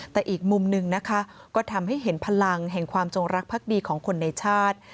แต่อีกมุมหนึ่งนะคะก็ทำให้เห็นพลังแห่งความจงรักภักดีของคนในชาติ